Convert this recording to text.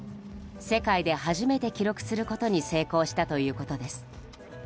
世界で初めて記録することに成功したということです。